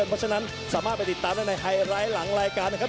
เพราะฉะนั้นสามารถไปติดตามได้ในไฮไลท์หลังรายการนะครับ